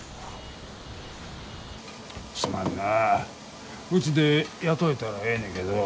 すまんなうちで雇えたらええねけど。